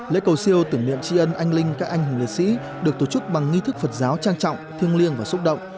lễ cầu siêu tưởng niệm tri ân anh linh các anh hùng liệt sĩ được tổ chức bằng nghi thức phật giáo trang trọng thiêng liêng và xúc động